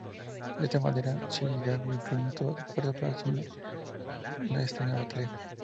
De esta manera, Szilágyi imprimió toda su fuerza para consumar esta nueva tarea.